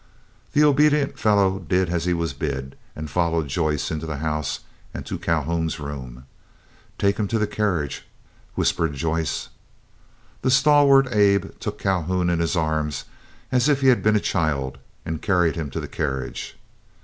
The obedient fellow did as he was bid, and followed Joyce into the house and to Calhoun's room. "Take him to the carriage," whispered Joyce. The stalwart Abe took Calhoun in his arms as if he had been a child, and carried him to the carriage.